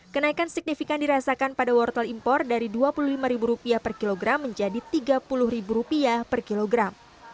kenaikan signifikan dirasakan pada wortel impor dari rp dua puluh lima per kilogram menjadi rp tiga puluh per kilogram